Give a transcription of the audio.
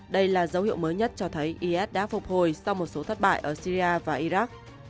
đây là dấu hiệu mới nhất cho thấy is đã phục hồi sau một số thất bại ở syria và iraq